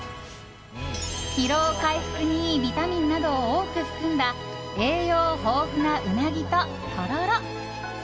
疲労回復にいいビタミンなどを多く含んだ栄養豊富なウナギと、とろろ。